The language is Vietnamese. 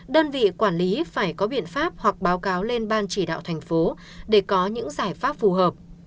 đơn vị quản lý phải có biện pháp hoặc báo cáo lên ban chỉ đạo thành phố để có những giải pháp phù hợp